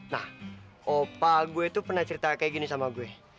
nah opa gue itu pernah cerita kayak gini sama gue